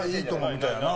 みたいやな。